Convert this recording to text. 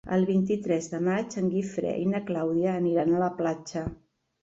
El vint-i-tres de maig en Guifré i na Clàudia aniran a la platja.